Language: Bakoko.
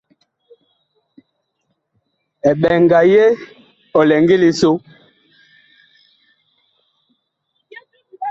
Eɓɛnga ye ɔ lɛ ngili so.